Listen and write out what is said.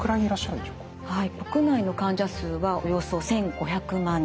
国内の患者数はおよそ１，５００万人。